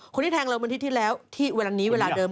คนที่แทงเราวันที่แล้วที่เวลานี้เวลาเดิม